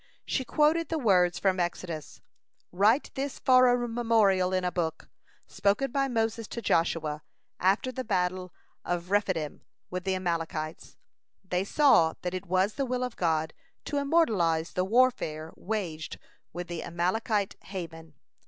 She quoted the words from Exodus, "Write this for a memorial in a book," spoken by Moses to Joshua, after the battle of Rephidim with the Amalekites. They saw that it was the will of God to immortalize the warfare waged with the Amalekite Haman.